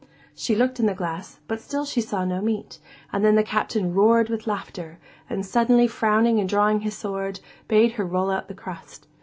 She looked in the glass, but still she saw no meat, and then the Captain roared with laughter, and suddenly frowning and drawing his sword, bade her roll out the crust.